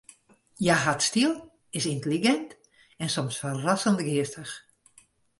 Hja hat styl, is yntelligint en soms ferrassend geastich.